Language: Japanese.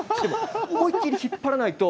思い切り引っ張らないと。